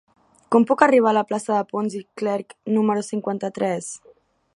Com puc arribar a la plaça de Pons i Clerch número cinquanta-tres?